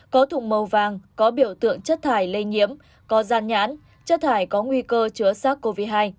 có thùng màu vàng có biểu tượng chất thải lây nhiễm có gian nhãn chất thải có nguy cơ chứa sars cov hai